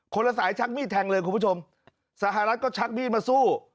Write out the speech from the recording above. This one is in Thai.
ละสายชักมีดแทงเลยคุณผู้ชมสหรัฐก็ชักมีดมาสู้